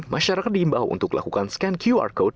masyarakat diimbau untuk lakukan scan qr code